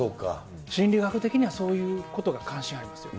心理学的にはそういうことが関心ありますよ。